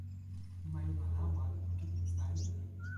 majuna lawa li toki insa e ni: